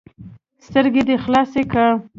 ـ سترګه دې خلاصه که.